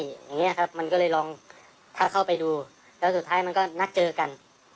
อย่างเงี้ยครับมันก็เลยลองถ้าเข้าไปดูแล้วสุดท้ายมันก็นัดเจอกัน